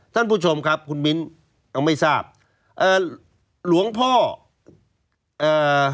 ท่านผู้ชมครับคุณมิ้นเราไม่ทราบเอ่อหลวงพ่อเอ่อ